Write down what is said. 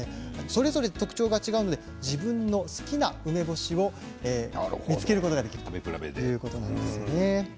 それぞれ特徴が違うので自分の好きな味を見つけることができるということです。